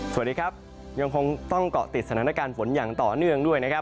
สวัสดีครับยังคงต้องเกาะติดสถานการณ์ฝนอย่างต่อเนื่องด้วยนะครับ